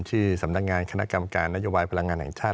ที่สำนักงานคณะกรรมการนโยบายพลังงานแห่งชาติ